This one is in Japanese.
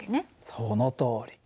そのとおり。